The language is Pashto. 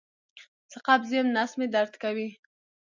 زه قبض یم نس مې درد کوي